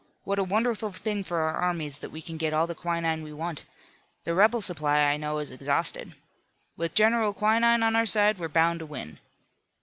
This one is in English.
What a wonderful thing for our armies that we can get all the quinine we want! The rebel supply, I know, is exhausted. With General Quinine on our side we're bound to win."